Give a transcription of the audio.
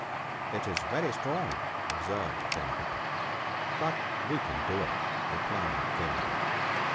* It is very strong,' observed Karataka. ' But we can do it,' replied the other.